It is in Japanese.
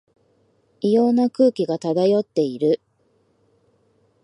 異様な空気が漂っている